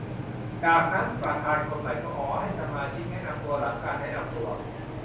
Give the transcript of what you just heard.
จากนั้นประธานคนใหม่ขอให้สมาชิกแนะนำตัว หลังการแนะนำตัว